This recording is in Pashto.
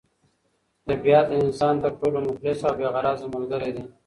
طبیعت د انسان تر ټولو مخلص او بې غرضه ملګری دی.